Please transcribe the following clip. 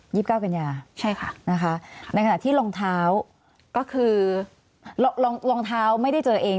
เก้ากัญญาใช่ค่ะนะคะในขณะที่รองเท้าก็คือรองรองเท้าไม่ได้เจอเอง